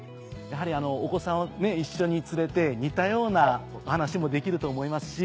やはりお子さんを一緒に連れて似たような話もできると思いますし。